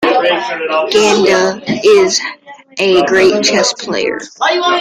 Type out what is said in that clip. Gina is a great chess player.